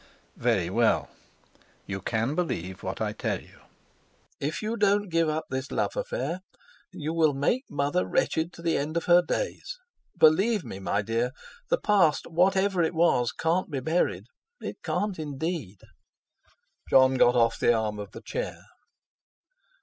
"Very well, you can believe what I tell you. If you don't give up this love affair, you will make Mother wretched to the end of her days. Believe me, my dear, the past, whatever it was, can't be buried—it can't indeed." Jon got off the arm of the chair.